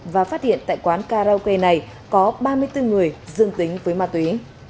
và phát hiện tại quán karaoke này có ba mươi bốn người dương tính với ma túy